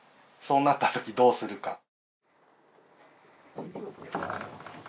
そうなったときどうするか。